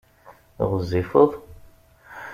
Ɣezzifeḍ?